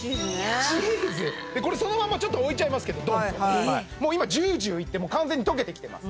チーズこれそのままちょっと置いちゃいますけどドンともう今ジュージュー言って完全に溶けてきてます